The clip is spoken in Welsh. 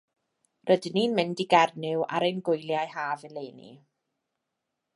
Rydyn ni'n mynd i Gernyw ar ein gwyliau haf eleni.